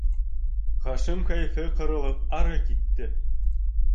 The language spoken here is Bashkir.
Хашим, кәйефе ҡырылып, ары китте.